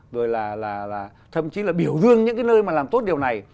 rồi là thậm chí là biểu dương những cái nơi mà làm tốt điều này